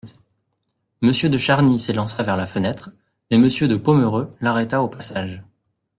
Monsieur de Charny s'élança vers la fenêtre, mais Monsieur de Pomereux l'arrêta au passage.